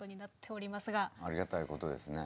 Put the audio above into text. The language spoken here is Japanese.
ありがたいことですね。